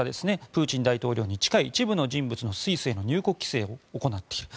プーチン大統領に近い一部の人物のスイスへの入国規制を行っている。